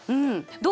どう？